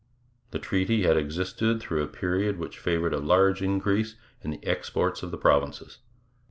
The treaty had existed through a period which favoured a large increase in the exports of the provinces.